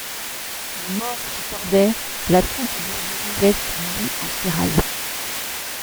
Le mort se tordait, la troupe d’oiseaux roulait sur lui en spirale.